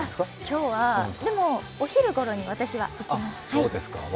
今日は、でも、お昼頃に私は行きます。